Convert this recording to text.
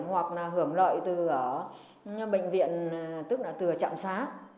hoặc là hưởng lợi từ bệnh viện tức là từ trạm xá